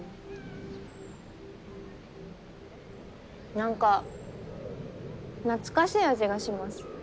何か懐かしい味がします。